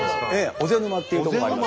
尾瀬沼っていう所があります。